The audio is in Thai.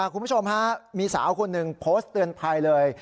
คุณผู้ชมฮะมีสาวคนหนึ่งโพสต์เตือนภัยเลย